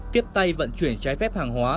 tiếp tay vận chuyển trái phép hàng hồ